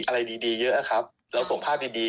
อะไรดีเยอะครับเราส่งภาพดี